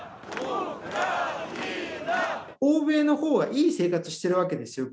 欧米のほうはいい生活してるわけですよ